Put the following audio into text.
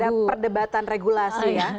ada perdebatan regulasi